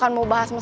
kamu ini udah siap